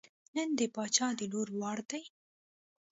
نن د باچا د لور وار دی.